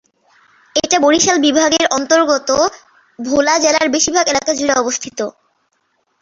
এটা বরিশাল বিভাগের অন্তর্গত ভোলা জেলার বেশীরভাগ এলাকা জুড়ে অবস্থিত।